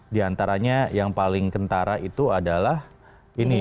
di antaranya yang paling kentara itu adalah ini